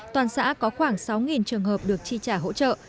toàn xã có khoảng sáu trường hợp được chi trả hỗ trợ